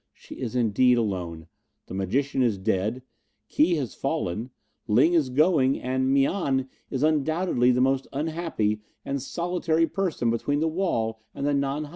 She is indeed alone. The magician is dead, Ki has fallen, Ling is going, and Mian is undoubtedly the most unhappy and solitary person between the Wall and the Nan Hai."